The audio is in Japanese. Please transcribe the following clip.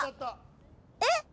えっ？